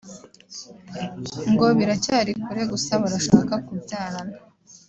ngo biracyari kure gusa barashaka kubyarana